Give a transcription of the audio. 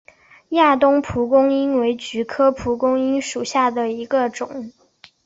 亚东蒲公英为菊科蒲公英属下的一个种。